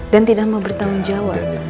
dan tidak mau bertanggung jawab